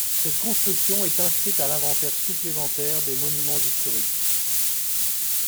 Cette construction est inscrite à l'inventaire supplémentaire des monuments historiques.